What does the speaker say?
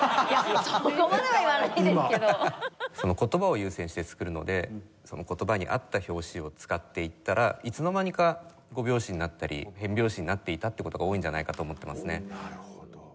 言葉を優先して作るのでその言葉に合った拍子を使っていったらいつの間にか５拍子になったり変拍子になっていたという事が多いんじゃないかと思ってますね。